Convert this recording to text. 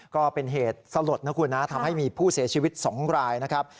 ก็เป็นเหตุสลดนะคุณนะทำให้มีผู้เสียชีวิต๒รายนะครับ